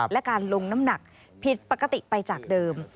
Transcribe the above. และการลงน้ำหนักผิดปกติไปจากเดิม